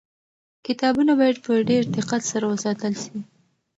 کتابونه باید په ډېر دقت سره وساتل سي.